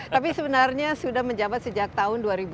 tapi sebenarnya sudah menjabat sejak tahun dua ribu